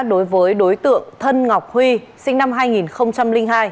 đối với đối tượng thân ngọc huy sinh năm hai nghìn hai